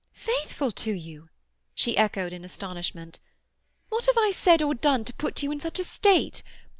"Faithful to you?" she echoed in astonishment. "What have I said or done to put you in such a state?